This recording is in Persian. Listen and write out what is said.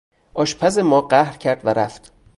آشپز ما قهر کرد و رفت.